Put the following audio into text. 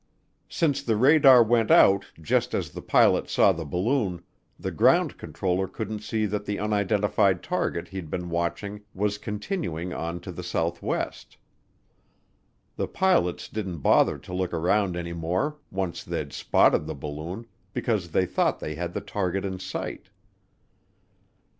Since the radar went out just as the pilots saw the balloon, the ground controller couldn't see that the unidentified target he'd been watching was continuing on to the southwest. The pilots didn't bother to look around any more once they'd spotted the balloon because they thought they had the target in sight.